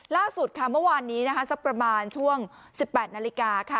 ล่าสุดค่ะเมื่อวานนี้นะคะสักประมาณช่วง๑๘นาฬิกาค่ะ